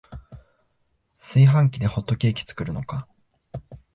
炊飯器でホットケーキ作るのか